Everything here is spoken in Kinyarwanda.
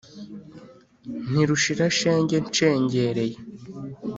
Ntirushira shenge nshengereye